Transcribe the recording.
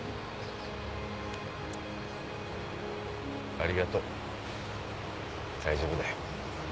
ありがとう大丈夫だよ。